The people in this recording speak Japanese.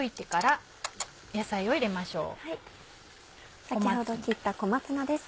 先ほど切った小松菜です。